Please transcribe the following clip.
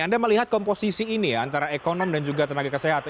anda melihat komposisi ini ya antara ekonom dan juga tenaga kesehatan